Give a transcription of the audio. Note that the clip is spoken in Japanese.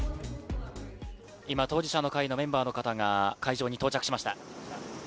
今、当事者の会のメンバーの方が会場に到着しました。